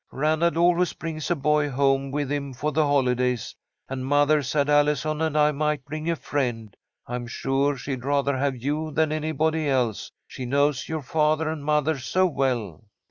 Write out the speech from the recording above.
Ranald always brings a boy home with him for the holidays, and mother said Allison and I might bring a friend. I'm sure she'd rather have you than anybody else, she knows your father and mother so well."